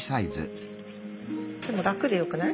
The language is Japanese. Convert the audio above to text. でも楽でよくない？